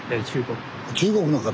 中国の方。